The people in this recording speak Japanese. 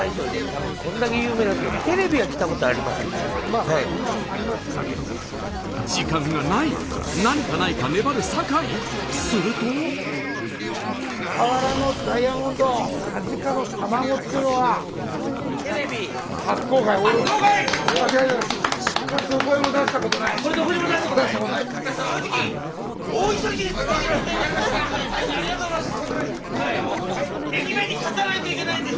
大将ありがとうございます！